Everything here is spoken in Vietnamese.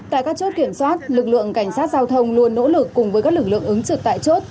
tại các chốt kiểm soát lực lượng cảnh sát giao thông luôn nỗ lực cùng với các lực lượng ứng trực tại chốt